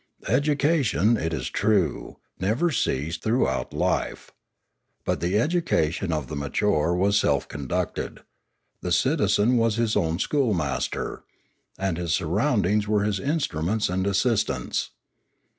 Education, it is true, never ceased through out life. But the education of the mature was self conducted; the citizen was his own schoolmaster, and his surroundings were his instruments and assistants.